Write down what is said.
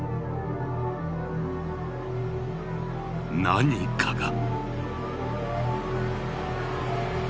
何かが。